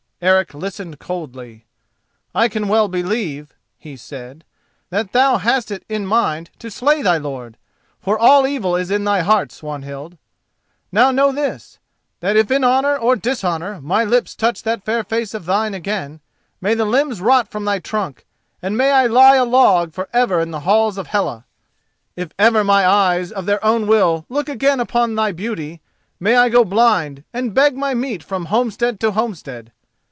Eric listened coldly. "I can well believe," he said, "that thou hast it in mind to slay thy lord, for all evil is in thy heart, Swanhild. Now know this: that if in honour or dishonour my lips touch that fair face of thine again, may the limbs rot from my trunk, and may I lie a log for ever in the halls of Hela! If ever my eyes of their own will look again upon thy beauty, may I go blind and beg my meat from homestead to homestead!